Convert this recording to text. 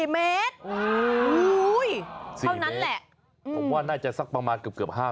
เมตรโอ้ยเท่านั้นแหละอืมผมว่าน่าจะสักประมาณเกือบเกือบห้า